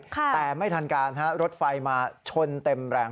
แต่ไม่ทันการฮะรถไฟมาชนเต็มแรง